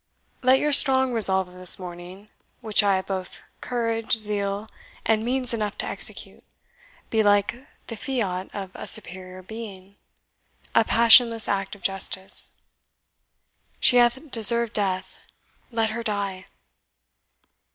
Let your strong resolve of this morning, which I have both courage, zeal, and means enough to execute, be like the fiat of a superior being, a passionless act of justice. She hath deserved death let her die!"